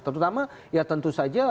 terutama ya tentu saja